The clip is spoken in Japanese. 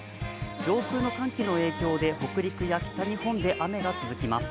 上空の寒気の影響で北陸や北日本で雨が続きます。